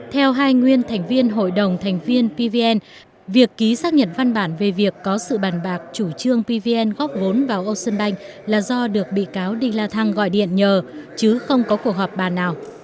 theo hai nguyên thành viên hội đồng thành viên pvn việc ký xác nhận văn bản về việc có sự bàn bạc chủ trương pvn góp vốn vào ocean bank là do được bị cáo đinh la thăng gọi điện nhờ chứ không có cuộc họp bàn nào